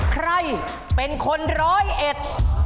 ใครเป็นคนร้อยเอ็ด